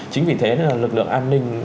chính vì thế lực lượng an ninh